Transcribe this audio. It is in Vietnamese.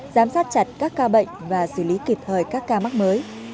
giám sát chặt các ca bệnh và xử lý kịp thời các ca mắc mới